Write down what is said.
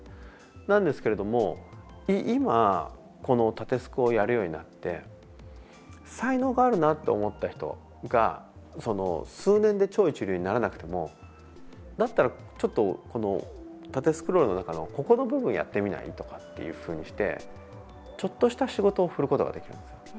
なんですけれども、今この縦スクをやるようになって才能があるなって思った人が数年で超一流にならなくてもだったらこの縦スクロールの中のここの部分やってみないとかっていうふうにしてちょっとした仕事を振ることができるんです。